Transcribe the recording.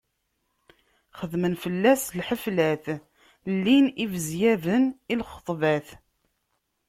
Xedmen fell-as lḥeflat, llin ibezyaben i lxuṭbat.